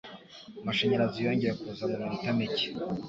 Amashanyarazi yongeye kuza mu minota mike.